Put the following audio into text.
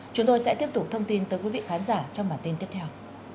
chúng tôi sẽ tiếp tục thông tin tới quý vị khán giả trong bản tin tiếp theo